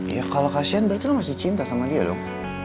ya kalau kasian berarti lo masih cinta sama dia dong